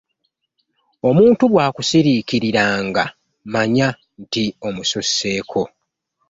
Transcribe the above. Omuntu bw'akusiriikiriranga manya nti omususseeko.